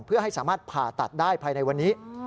เพื่อให้สามารถผ่าตัดได้ภายในวันนี้